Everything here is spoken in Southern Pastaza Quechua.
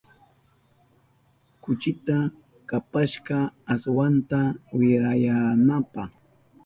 Kuchita kapashka ashwanta wirayananpa.